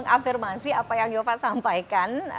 afirmasi apa yang yova sampaikan